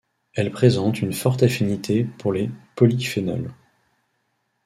Elle présente une forte affinité pour les polyphénols.